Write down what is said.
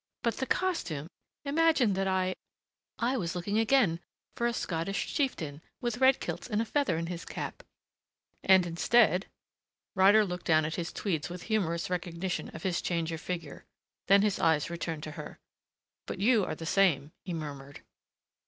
"But the costume! Imagine that I I was looking again for a Scottish chieftain with red kilts and a feather in his cap!" "And instead " Ryder glanced down at his tweeds with humorous recognition of his change of figure. Then his eyes returned to her. "But you are the same," he murmured.